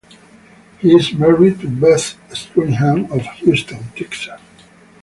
He is married to Beth Stringham of Houston, Texas.